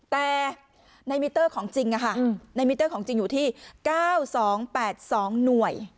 แต่ในมิเตอร์ของจริงอะค่ะในมิเตอร์ของจริงอยู่ที่เก้าสองแปดสองหน่วย